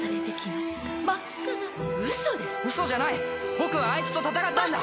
僕はあいつと戦ったんだ！